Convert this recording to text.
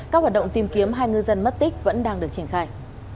các hoạt động tìm kiếm hai ngư dân mất tích vẫn đang được triển khai